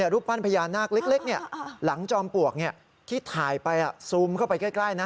รูปปั้นพญานาคเล็กหลังจอมปลวกที่ถ่ายไปซูมเข้าไปใกล้นะ